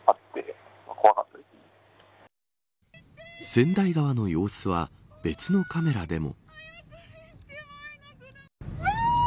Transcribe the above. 千代川の様子は別のカメラでも。